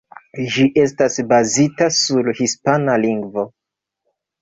Ĝi estas bazita sur hispana lingvo.